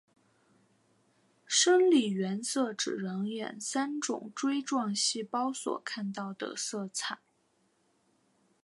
生理原色指人眼三种锥状细胞所看到的色彩。